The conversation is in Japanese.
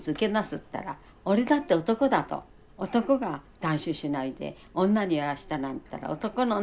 つったら「俺だって男だ」と「男が断種しないで女にやらしたなんていったら男のね